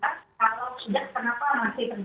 atau sejak kenapa masih terjadi situasi masalah